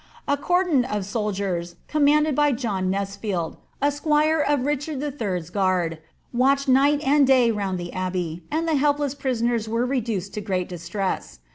A cordon of soldiers, commanded by John Nesfield, a squire of Richard lll.'s guard, watched night and day round the abbey, and the helpless prisoners were reduced to great distress.